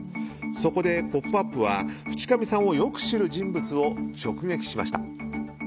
そこで「ポップＵＰ！」は淵上さんをよく知る人物を直撃しました。